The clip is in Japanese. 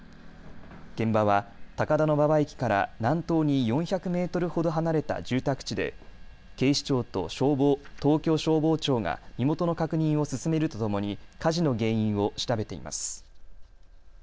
現場は高田馬場駅から南東に４００メートルほど離れた住宅地で警視庁と東京消防庁が身元の確認を進めるとともに火事の原因を調べています。